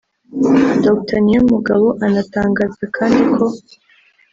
Dr Niyomugabo anatangaza kandi ko